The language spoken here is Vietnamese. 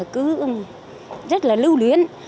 cứ rất là lưu luyến